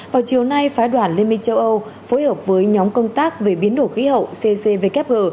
vào chiều nay phái đoàn liên minh châu âu phối hợp với nhóm công tác về biến đổi khí hậu ccvkg